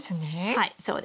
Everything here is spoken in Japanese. はいそうです。